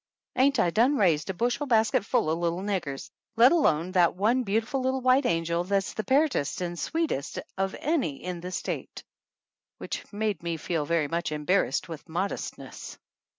Ain't I done raised a bushel basket full o' little niggers, let alone that one beautiful little white angel that's the peartest and sweet est of any in the state?" Which made me feel very much embarrassed with modestness.